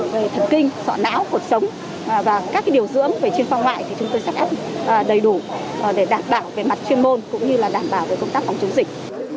về thần kinh sọ não cuộc sống và các điều dưỡng về chuyên khoa ngoại thì chúng tôi sẽ áp dụng đầy đủ để đảm bảo về mặt chuyên môn cũng như là đảm bảo về công tác phòng chống dịch